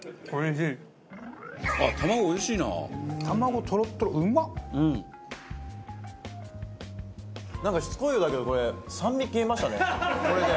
なんかしつこいようだけどこれ酸味消えましたねこれで。